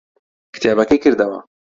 کتێبەکەی کردەوە.